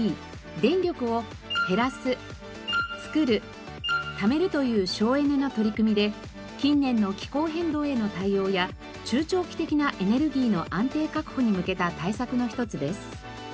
電力を「へらすつくるためる」という省エネの取り組みで近年の気候変動への対応や中長期的なエネルギーの安定確保に向けた対策の一つです。